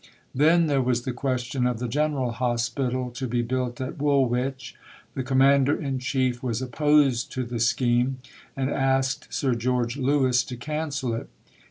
Then there was the question of the General Hospital to be built at Woolwich. The Commander in Chief was opposed to the scheme, and asked Sir George Lewis to cancel it.